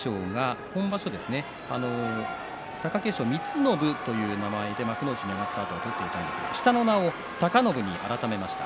貴景勝は貴景勝光信という名前で幕内に上がって取っていたんですが下の名前を貴信に改めました。